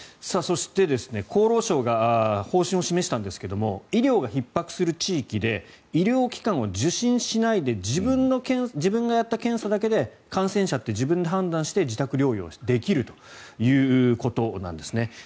そして、厚労省が方針を示したんですけども医療がひっ迫する地域で医療機関を受診しないで自分がやった検査だけで感染者って自分で判断して自宅療養できるということなんですね。